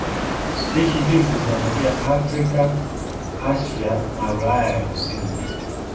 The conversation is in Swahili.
Spishi hizi zinatokea Afrika, Asia na Ulaya ya kusini.